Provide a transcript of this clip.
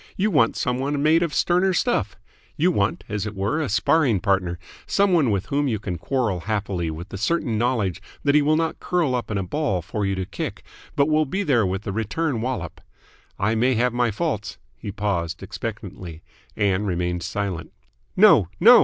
You want some one made of sterner stuff. You want, as it were, a sparring partner, some one with whom you can quarrel happily with the certain knowledge that he will not curl up in a ball for you to kick, but will be there with the return wallop. I may have my faults " He paused expectantly. Ann remained silent. "No, no!"